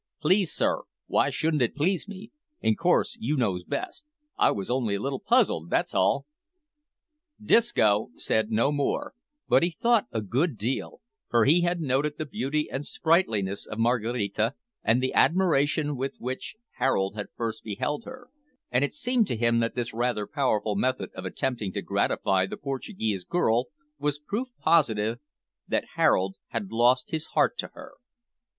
"Please me, sir, w'y shouldn't it please me? In course you knows best; I was only a little puzzled, that's all." Disco said no more, but he thought a good deal, for he had noted the beauty and sprightliness of Maraquita, and the admiration with which Harold had first beheld her; and it seemed to him that this rather powerful method of attempting to gratify the Portuguese girl was proof positive that Harold had lost his heart to her.